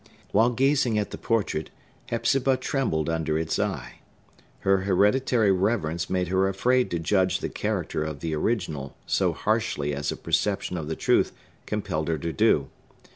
While gazing at the portrait, Hepzibah trembled under its eye. Her hereditary reverence made her afraid to judge the character of the original so harshly as a perception of the truth compelled her to do.